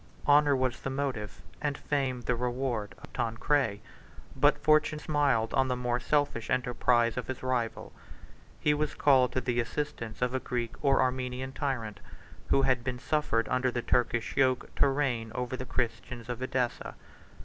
Honor was the motive, and fame the reward, of Tancred; but fortune smiled on the more selfish enterprise of his rival. 88 He was called to the assistance of a Greek or Armenian tyrant, who had been suffered under the Turkish yoke to reign over the Christians of Edessa.